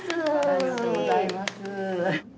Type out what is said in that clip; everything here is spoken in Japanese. ありがとうございます。